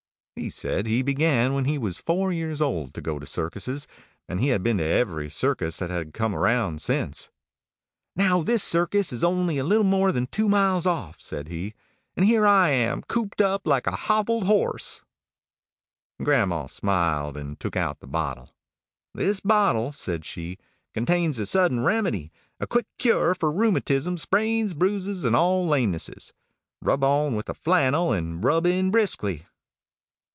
He said he began when he was four years old to go to circuses, and he had been to every circus that had come around since. "Now this circus is only a little more than two miles off," said he, "and here I am cooped up like a hoppled horse." [Illustration: "THIS BOTTLE CONTAINS THE SUDDEN REMEDY."] Grandma smiled, and took out the bottle. "This bottle," said she, "contains the Sudden Remedy a quick cure for rheumatism, sprains, bruises, and all lamenesses. Rub on with a flannel, and rub in briskly."